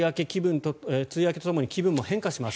梅雨明けとともに気分も変化します。